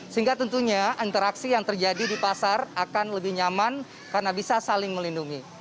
sehingga tentunya interaksi yang terjadi di pasar akan lebih nyaman karena bisa saling melindungi